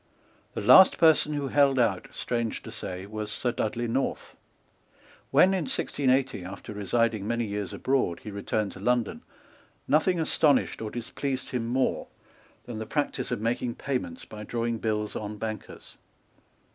The last person who held out, strange to say, was Sir Dudley North. When, in 1680, after residing many years abroad, he returned to London, nothing astonished or displeased him more than the practice of making payments by drawing bills on bankers.